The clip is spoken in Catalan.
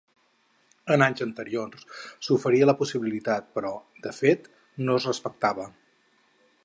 En anys anteriors, s’oferia la possibilitat però, de fet, no es respectava.